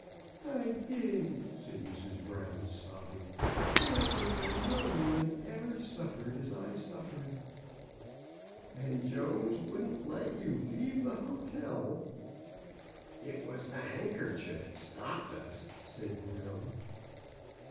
I did," said Mrs. Brown, sobbing ;" and I think that no woman ever suffered as I suf fered." "And Jones wouldn't let you leave the hotel?" " It was the handkerchief stopped us," said Brown.